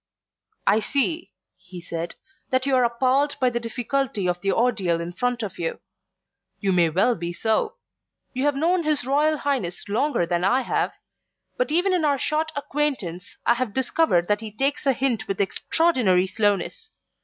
"I see," he said, "that you are appalled by the difficulty of the ordeal in front of you. You may well be so. You have known his Royal Highness longer than I have, but even in our short acquaintance I have discovered that he takes a hint with extraordinary slowness.